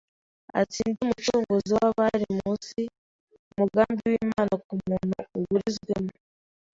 atsinde Umucunguzi w’abari mu isi umugambi w’imana kumuntu uburizwe mo